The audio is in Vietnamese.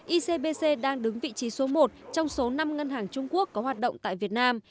icbc đang đứng vị trí số một trong số năm ngân hàng trung quốc có hoạt động tại việt nam